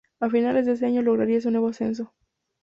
A finales de ese año lograría un nuevo ascenso.